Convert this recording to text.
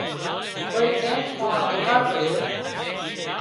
ڪوئي ٽيم مان ۮڪاۯ پڙيو